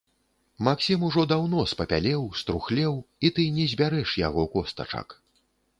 Максім ужо даўно спапялеў, струхлеў, і ты не збярэш яго костачак.